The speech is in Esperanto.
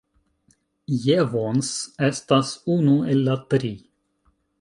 Jevons estas unu el la tri.